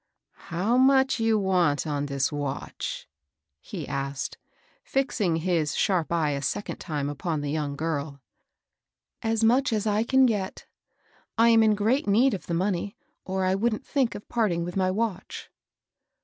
How much you vant on dis vatch ?" he asked, fixing his sharp eye a second time upon the young girl. ^^ As much as I can get. I am in great need of the money, or I wouldn't think of parting with my watch."